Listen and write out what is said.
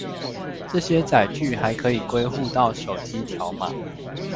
這些載具還可以歸戶到手機條碼